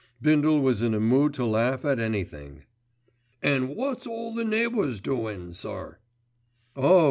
Bindle was in a mood to laugh at anything. "An' wot's all the neighbours doin', sir." "Oh!